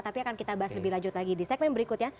tapi akan kita bahas lebih lanjut lagi di segmen berikutnya